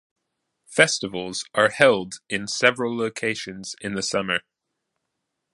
Festivals are held in several locations in the summer.